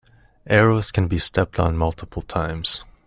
Arrows can be stepped on multiple times.